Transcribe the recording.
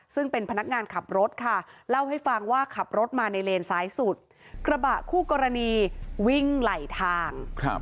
ซึ่งเป็นพนักงานขับรถค่ะเล่าให้ฟังว่าขับรถมาในเลนซ้ายสุดกระบะคู่กรณีวิ่งไหลทาง